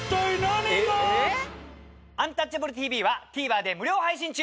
「アンタッチャブるＴＶ」はＴＶｅｒで無料配信中！